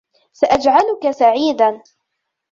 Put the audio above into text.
سأجعلك سعيدًا.